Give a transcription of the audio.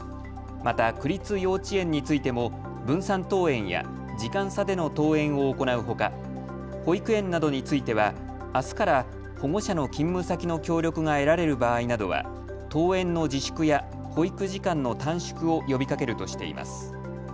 また区立幼稚園についても分散登園や時間差での登園を行うほか保育園などについてはあすから、保護者の勤務先の協力が得られる場合などは登園の自粛や保育時間の短縮を呼びかけるとしています。